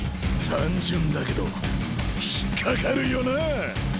単純だけど引っ掛かるよなぁ。